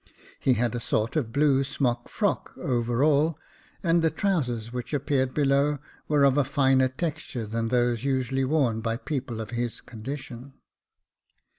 He had a sort of blue smock frock over all, and the trousers which appeared below were of a finer texture than those usually worn by people of his condition.